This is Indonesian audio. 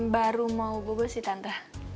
baru mau bobo sih tante